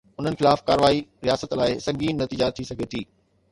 انهن خلاف ڪارروائي رياست لاءِ سنگين نتيجا ٿي سگهي ٿي.